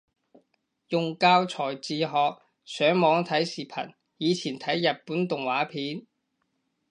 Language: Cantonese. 用教材自學，上網睇視頻，以前睇日本動畫片